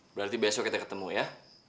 berarti besok kita ketemu ya